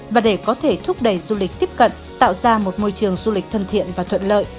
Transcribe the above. và để có thể thúc đẩy du lịch tiếp cận tạo ra một môi trường du lịch thân thiện và thuận lợi